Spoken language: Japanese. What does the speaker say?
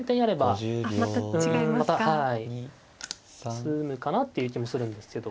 詰むかなっていう気もするんですけど。